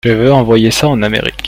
Je veux envoyer ça en Amérique.